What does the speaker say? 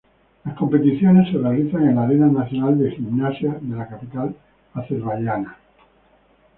Las competiciones se realizaron en la Arena Nacional de Gimnasia de la capital azerbaiyana.